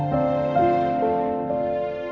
aku gak bisa tidur semalaman